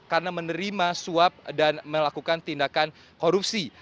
karena menerima suap dan melakukan tindakan korupsi